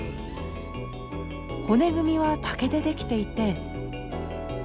骨組みは竹でできていて。